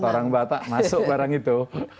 orang batak masuk barang itu